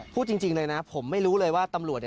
พูดจริงเลยนะผมไม่รู้เลยว่าตำรวจ